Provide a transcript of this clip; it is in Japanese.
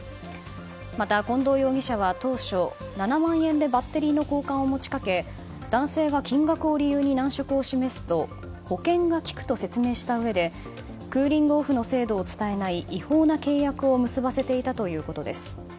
また、近藤容疑者は当初７万円でバッテリーの交換を持ち掛け男性が金額を理由に難色を示すと保険がきくと説明したうえでクーリングオフの制度を伝えない違法な契約を結ばせていたということです。